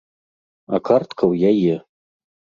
А картка ў яе.